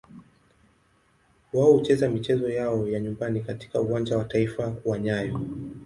Wao hucheza michezo yao ya nyumbani katika Uwanja wa Taifa wa nyayo.